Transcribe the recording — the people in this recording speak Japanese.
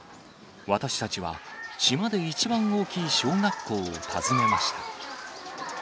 私たちは、島で一番大きい小学校を訪ねました。